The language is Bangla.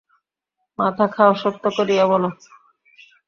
মাথা খাও, সত্য করিয়া বলো।